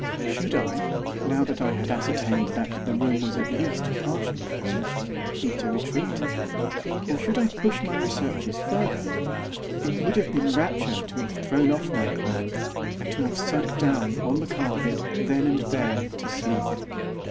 Should I, now I had ascertained that the room was, at least, partially furnished, beat a retreat? Or should I push my researches further? It would have been rapture to have thrown off my clothes, and to have sunk down, on the carpet, then and there, to sleep.